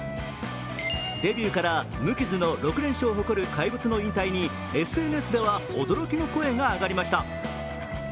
デビューから無傷の６連勝を誇る怪物の引退にＳＮＳでは驚きの声が上がりました。